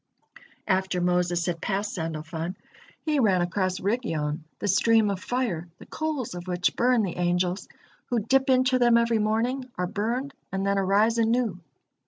After Moses had passed Sandalfon, he ran across Rigyon, the stream of fire, the coals of which burn the angels, who dip into them every morning, are burned, and then arise anew.